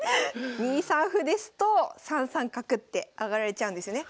２三歩ですと３三角って上がられちゃうんですよね。